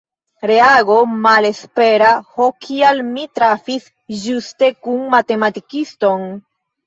Reago malespera: Ho kial mi trafis ĝuste nun matematikiston?